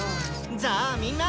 じゃあみんな！